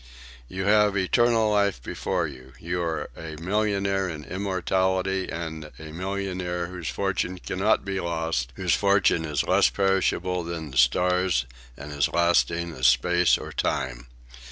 "You have eternal life before you. You are a millionaire in immortality, and a millionaire whose fortune cannot be lost, whose fortune is less perishable than the stars and as lasting as space or time.